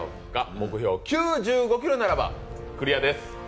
目標９５ｋｇならばクリアです。